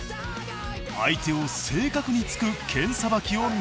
相手を正確に突く剣さばきを身につけた。